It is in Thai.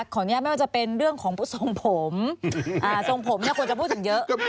ของนี้ไม่ว่าจะเป็นเรื่องของส่งผมส่งผมควรจะพูดถึงเยอะ